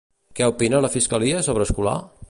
Què opina la fiscalia sobre Escolà?